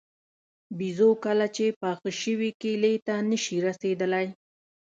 بېزو کله چې پاخه شوي کیلې ته نه شي رسېدلی.